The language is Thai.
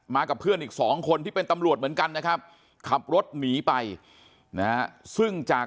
มากับเพื่อนอีกสองคนที่เป็นตำรวจเหมือนกันนะครับ